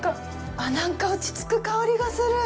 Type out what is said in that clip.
あっ、なんか落ちつく香りがする。